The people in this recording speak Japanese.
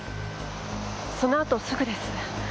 そのあとすぐです。